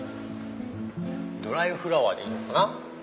ドライフラワーでいいのかな。